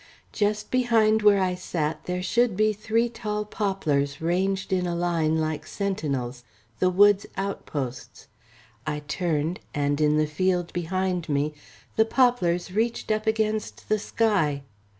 Just behind where I sat there should be three tall poplars ranged in a line like sentinels, the wood's outposts; I turned, and in the field behind me, the poplars reached up against the sky.